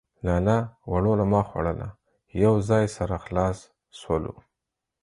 لالا وړوله ما خوړله ،. يو ځاى سره خلاص سولو.